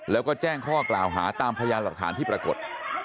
แล้วก็แจ้งข้อกล่าวหาตามพยานหลักฐานที่ปรากฏ